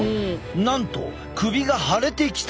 なんと首が腫れてきた！